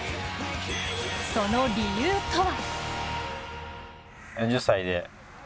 その理由とは。